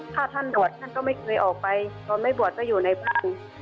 ถ้าท่านบวชท่านก็ไม่เคยออกไปตอนไม่บวชก็อยู่ในภูมิ